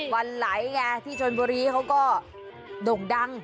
วันไหลไงที่ชนบุรีเขาก็โด่งดัง